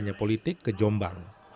banyak politik kejombang